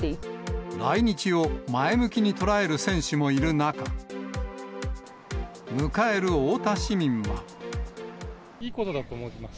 来日を前向きに捉える選手もいる中、迎える太田市民は。いいことだと思います。